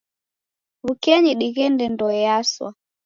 W'ukenyi dighende ndoe yaswa.